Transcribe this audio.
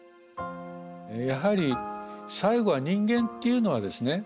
やはり最後は人間というのはですね